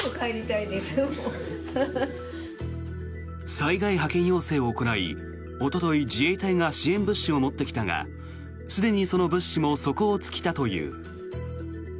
災害派遣要請を行いおととい、自衛隊が支援物資を持ってきたがすでにその物資も底を突いたという。